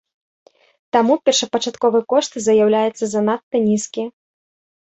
Таму першапачатковы кошт заяўляецца занадта нізкі.